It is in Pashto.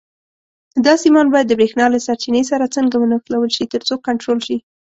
دا سیمان باید د برېښنا له سرچینې سره څنګه ونښلول شي ترڅو کنټرول شي.